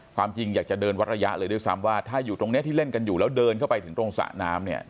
ความจริงอยากจะเดินวัดระยะเลยด้วยซ้ำว่าถ้าอยู่ตรงนี้ที่เล่นกันอยู่แล้วเดินเข้าไปถึงตรงสระน้ำเนี่ย